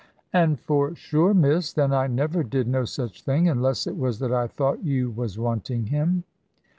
"And for sure, miss, then I never did no such thing; unless it was that I thought you was wanting him."